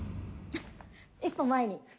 １歩前に。